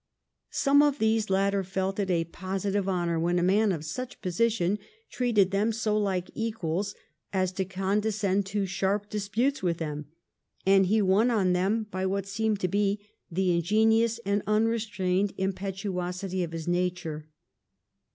Some of these latter felt it a positive honour when a man of such position treated them so like equals as to condescend to sharp disputes with them, and he won on them by what seemed to be the ingenuous and unrestrained impetuosity of his nature.